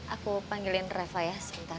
aku panggilin reva ya sebentar